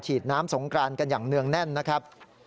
ฉีดน้ำสงกรานกันอย่างเนื่องแน่นนะครับ